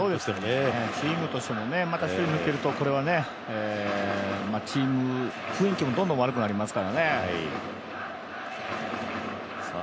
チームとしても１人抜けるとチームの雰囲気もどんどん悪くなりますから。